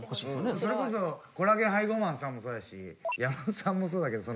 それこそコラアゲンはいごうまんさんもそうだし矢野さんもそうだけど。